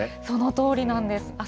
そのとおりなんです。